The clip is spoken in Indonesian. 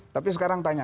tapi sekarang tanya